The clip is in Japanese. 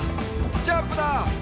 ジャンプだ！」